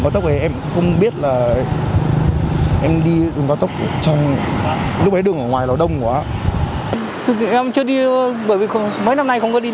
thực sự em chưa đi bởi vì mấy năm nay không có đi lên trên đường này thì không biết cấm